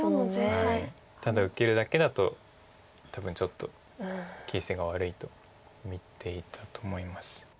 ただ受けるだけだと多分ちょっと形勢が悪いと見ていたと思います。